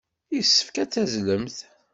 Yessefk ad tazzlemt.